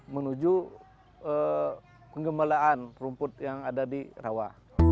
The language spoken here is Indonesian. menuju penggembalaan rumput yang ada di rawa